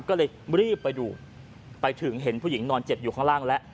ก็เลยรีบไปดูไปถึงเห็นผู้หญิงนอนเจ็บอยู่ข้างล่างแล้ว